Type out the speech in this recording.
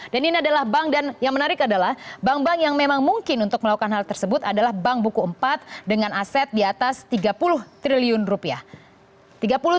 dan ini adalah bank dan yang menarik adalah bank bank yang memang mungkin untuk melakukan hal tersebut adalah bank buku empat dengan aset di atas tiga puluh triliun rupiah